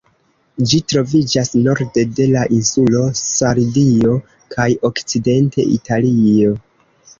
Ĝi troviĝas norde de la insulo Sardio kaj okcidente Italio.